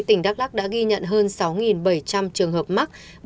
tỉnh đắk lắc đã ghi nhận hơn sáu bảy trăm linh trường hợp mắc